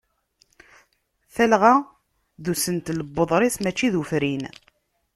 Talɣa d usentel n uḍris mačči d ufrin.